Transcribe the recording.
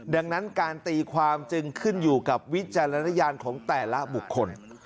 ดังนั้นการตีความจึงขึ้นอยู่กับวิจารณญาณของแต่ละบุคคล